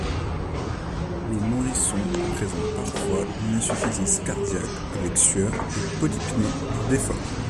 Le nourrisson présente parfois une insuffisance cardiaque avec sueur et polypnée lors d’efforts.